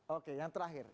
oke yang terakhir